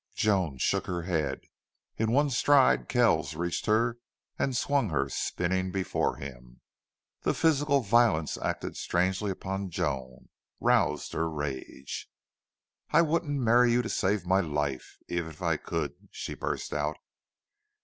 Joan shook her head. In one stride Kells reached her and swung her spinning before him. The physical violence acted strangely upon Joan roused her rage. "I wouldn't marry you to save my life even if I could!" she burst out.